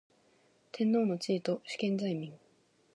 天皇の地位と主権在民